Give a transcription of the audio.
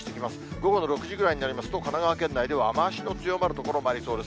午後の６時ぐらいになりますと、神奈川県内では雨足の強まる所もありそうです。